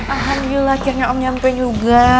ahan yu lah akhirnya om nyampe juga